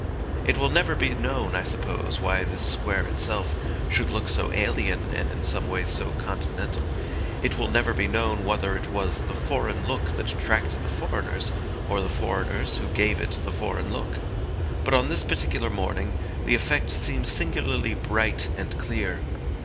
It will never be known, I suppose, why this square itself should look so alien and in some ways so continental. It will never be known whether it was the foreign look that attracted the foreigners or the foreigners who gave it the foreign look. But on this particular morning the effect seemed singularly bright and clear.